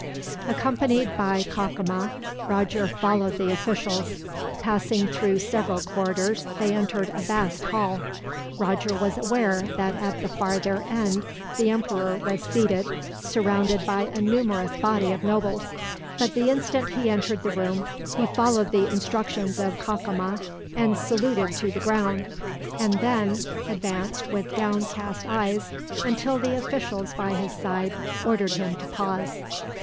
Accompanied by Cacama, Roger followed the officials. Passing through several corridors they entered a vast hall. Roger was aware that at the farther end the emperor was seated, surrounded by a numerous body of nobles; but the instant he entered the room he followed the instructions of Cacama, and saluted to the ground, and then advanced with downcast eyes until the officials by his side ordered him to pause.